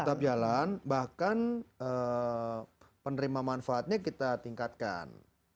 tetap jalan bahkan penerima manfaatnya kita tingkatkan